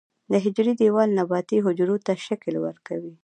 د حجرې دیوال نباتي حجرو ته شکل ورکوي